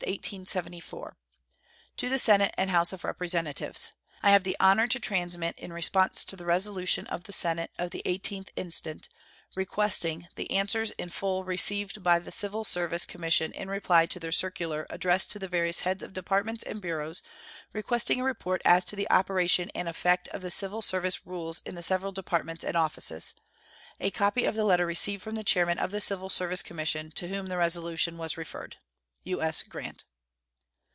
To the Senate and House of Representatives: I have the honor to transmit, in response to the resolution of the Senate of the 18th instant, requesting "the answers in full received by the Civil Service Commission in reply to their circular addressed to the various heads of Departments and bureaus requesting a report as to the operation and effect of the civil service rules in the several Departments and offices," a copy of a letter received from the chairman of the Civil Service Commission, to whom the resolution was referred. U.S. GRANT.